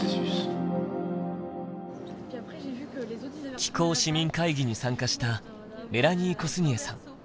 気候市民会議に参加したメラニー・コスニエさん。